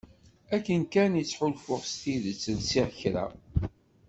Akken kan i ttḥulfuɣ s tidet lsiɣ kra.